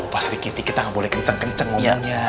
pasri kitty kita nggak boleh kenceng kenceng ngomongnya